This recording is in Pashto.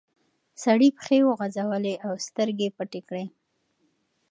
سړي پښې وغځولې او سترګې پټې کړې.